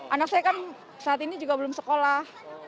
anak saya kan saat ini juga belum sekolah